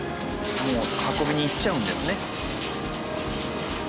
もう運びに行っちゃうんですね。